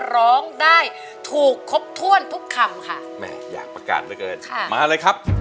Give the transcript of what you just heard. ร้องได้ถูกครบถ้วนทุกคำค่ะแม่อยากประกาศเต็มมาเลยครับ